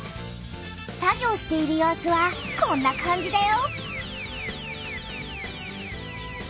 作業している様子はこんな感じだよ。